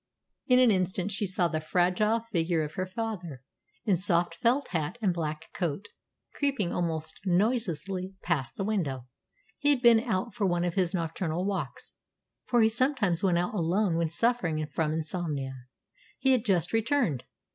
In an instant she saw the fragile figure of her father, in soft felt hat and black coat, creeping almost noiselessly past the window. He had been out for one of his nocturnal walks, for he sometimes went out alone when suffering from insomnia. He had just returned.